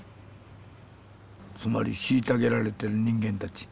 つまり虐げられてる人間たち。